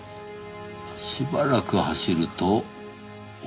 しばらく走ると小山。